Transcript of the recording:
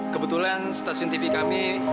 kebetulan stasiun tv kami